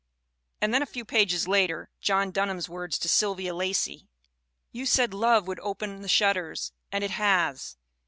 And then a few pages later John Dunham's words to Sylvia Lacey :" 'You said Love would open the shutters, and it has.'